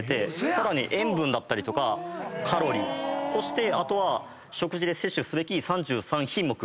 さらに塩分だったりとかカロリーそしてあとは食事で摂取すべき３３品目